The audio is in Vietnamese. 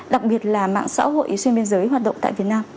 đặc biệt là mạng xã hội xuyên biên giới hoạt động tại việt nam